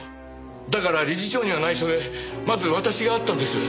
だから理事長には内緒でまず私が会ったんです。